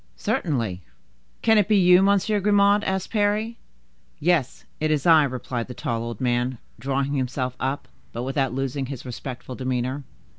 "Certainly." "Can it be you, Monsieur Grimaud?" asked Parry. "Yes, it is I," replied the tall old man, drawing himself up, but without losing his respectful demeanor.